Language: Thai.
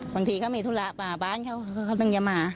บางทีเขามีธุระป่าบ้านเขาก็เพิ่งจะมา